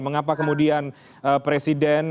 mengapa kemudian presiden